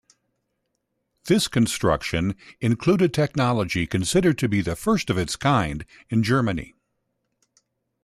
This construction included technology considered to be the first of its kind in Germany.